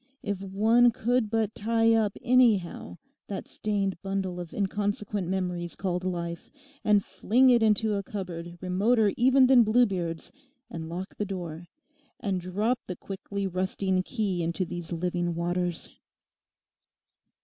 If one could but tie up anyhow that stained bundle of inconsequent memories called life, and fling it into a cupboard remoter even than Bluebeard's, and lock the door, and drop the quickly rusting key into these living waters!